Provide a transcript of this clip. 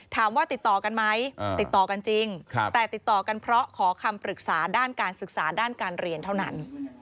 ติดต่อกันไหมติดต่อกันจริงแต่ติดต่อกันเพราะขอคำปรึกษาด้านการศึกษาด้านการเรียนเท่านั้น